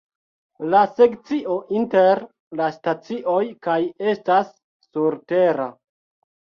La sekcio inter la stacioj kaj estas surtera.